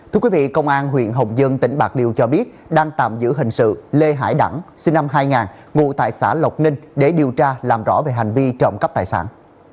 thưa quý vị công an huyện hồng dân tỉnh bạc liêu cho biết đang tạm giữ hình sự lê hải đẳng sinh năm hai nghìn ngụ tại xã lộc ninh để điều tra làm rõ về hành vi trộm cắp tài sản